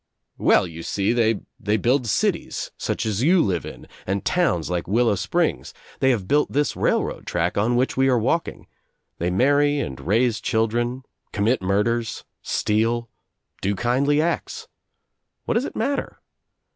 Well you see they build cities such as you live In and towns like Willow Springs, they have built this railroad track on which we are walking, they marry and raise children, commit murders, steal, do kindly acts. What does it matter?